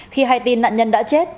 khi hay tin nạn nhân đã chết